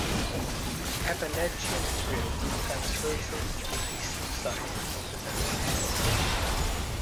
The Appalachian Trail traverses the eastern side of the township.